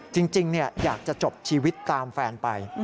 จริงอยากจะจบชีวิตตามแฟนไป